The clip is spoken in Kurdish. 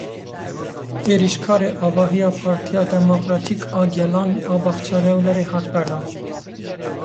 Êrişkarê avahiya Partiya Demokratîk a Gelan a Bahçelievlerê hat berdan.